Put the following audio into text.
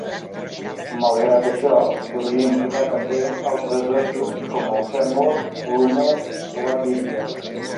Malgrat això, podria implicar també altres ossos com el fèmur, l'húmer o la tíbia.